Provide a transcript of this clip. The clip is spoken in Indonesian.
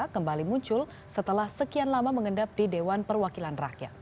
kembali muncul setelah sekian lama mengendap di dewan perwakilan rakyat